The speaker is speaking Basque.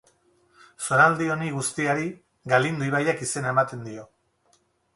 Zonalde honi guztiari Galindo ibaiak izena eman dio.